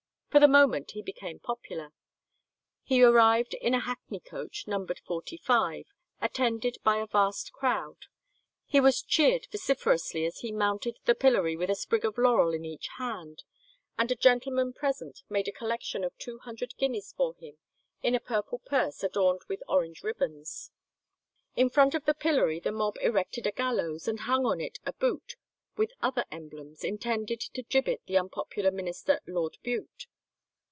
For the moment he became popular. He arrived in a hackney coach numbered 45,[162:1] attended by a vast crowd. He was cheered vociferously as he mounted the pillory with a sprig of laurel in each hand; and a gentleman present made a collection of two hundred guineas for him in a purple purse adorned with orange ribbons. In front of the pillory the mob erected a gallows, and hung on it a boot, with other emblems, intended to gibbet the unpopular minister Lord Bute.